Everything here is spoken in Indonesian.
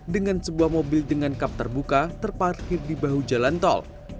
dengan sebuah mobil dengan kap terbuka terparkir di bahu jalan tol